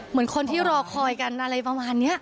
เหมือนคนที่รอคอยกันอะไรประมาณนี้